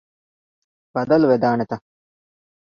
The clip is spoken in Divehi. ބަދަލު ވެދާނެތަ؟